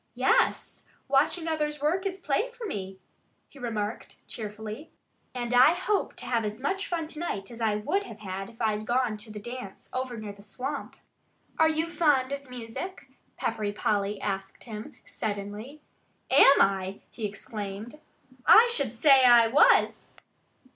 "Yes! Watching others work is play for me," he remarked cheerfully. "And I hope to have as much fun to night as I would have had if I'd gone to the dance over near the swamp." "Are you fond of music?" Peppery Polly asked him suddenly. "Am I?" he exclaimed. "I should say I was!"